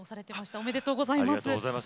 ありがとうございます。